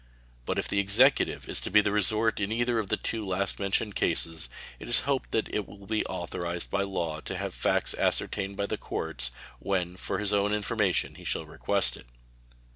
But if the Executive is to be the resort in either of the two last mentioned cases, it is hoped that he will be authorized by law to have facts ascertained by the courts when for his own information he shall request it.